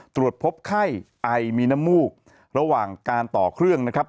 ตรวจพบไข้ไอมีน้ำมูกระหว่างการต่อเครื่องนะครับ